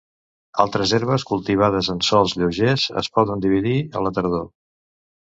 Altres herbes cultivades en sòls lleugers es poden dividir a la tardor.